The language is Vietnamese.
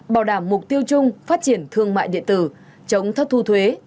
bảo đảm mục tiêu chung phát triển thương mại điện tử chống thất thu thuế